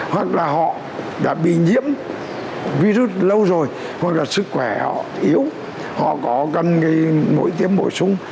hoặc là họ đã bị nhiễm virus lâu rồi hoặc là sức khỏe họ yếu họ có gần cái mũi tiêm bổ sung